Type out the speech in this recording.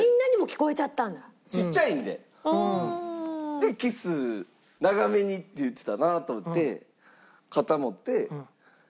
でキス長めにって言ってたなと思って肩持って。